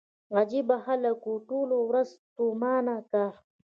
عجيبه خلک وو ټوله ورځ ستومانه کار.